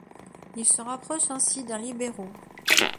Il se rapproche ainsi d'un libéro.